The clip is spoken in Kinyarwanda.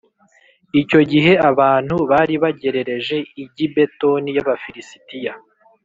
Icyo gihe abantu bari bagerereje i Gibetoni y’Abafilisitiya